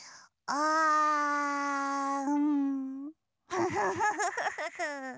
フフフフフフ。